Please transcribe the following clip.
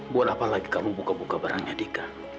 buat apa lagi kamu buka buka barangnya dika